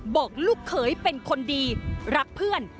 บอกลูกเขยเป็นคนดีรักเพื่อน